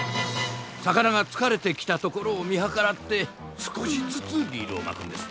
魚がつかれてきたところを見計らって少しずつリールを巻くんです。